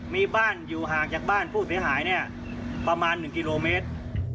มีบ้านอยู่ห่างจากบ้านผู้เสียหายเนี่ยประมาณ๑กิโลเมตร